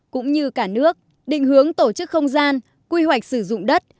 cũng như cả nước định hướng tổ chức không gian quy hoạch sử dụng đất